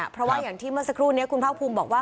เพราะว่าอย่างที่เมื่อสักครู่นี้คุณภาคภูมิบอกว่า